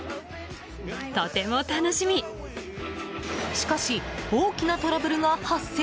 しかし、大きなトラブルが発生。